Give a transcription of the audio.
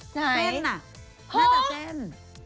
เส้นอ่ะน่าจะเส้น